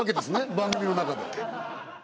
番組の中で。